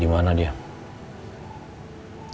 dimana anaknya kak sofia